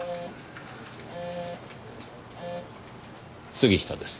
杉下です。